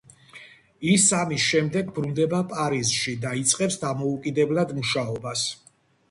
ის ამის შემდეგ ბრუნდება პარიზში და იწყებს დამოუკიდებლად მუშაობას.